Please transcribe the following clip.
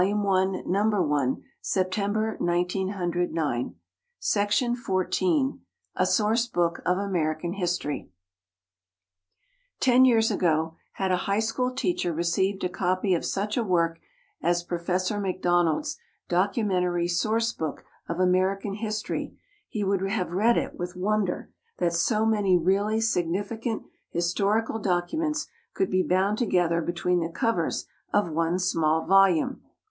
Published by Department of History University of Pennsylvania PHILADELPHIA A Source Book of American History Ten years ago had a high school teacher received a copy of such a work as Professor MacDonald's "Documentary Source Book of American History" he would have read it with wonder that so many really significant historical documents could be bound together between the covers of one small volume.